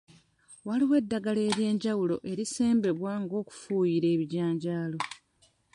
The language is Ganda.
Waliwo eddagala ery'enjawulo erisembebwa ng'okufuuyira ebijanjaalo.